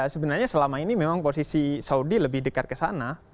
sebenarnya selama ini memang posisi saudi lebih dekat ke sana